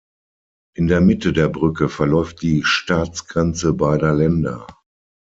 In der Mitte der Brücke verläuft die Staatsgrenze beider Länder.